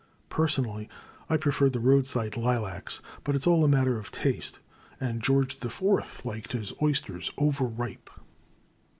Personally I preferred the roadside lilacs, but it 's all a matter of taste, and George the Fourth liked his oysters over ripe.